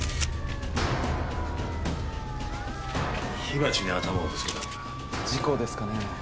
火鉢に頭をぶつけたのか事故ですかね？